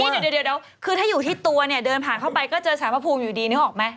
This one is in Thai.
เดี๋ยวคือถ้าอยู่ที่ตัวเนี่ยเดินผ่านเข้าไปก็เจอสารพระภูมิอยู่ดีนึกออกไหม